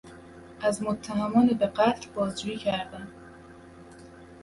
از متهمان به قتل بازجویی کردن